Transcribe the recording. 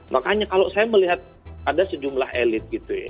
makanya kalau saya melihat ada sejumlah elit gitu ya